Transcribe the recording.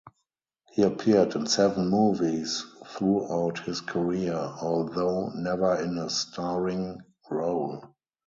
He appeared in seven movies throughout his career, although never in a starring role.